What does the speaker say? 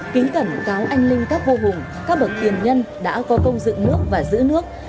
kính cẩn cáo anh linh các vô hùng các bậc tiền nhân đã có công dựng nước và giữ nước